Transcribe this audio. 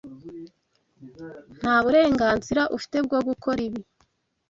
Nta burenganzira ufite bwo gukora ibi.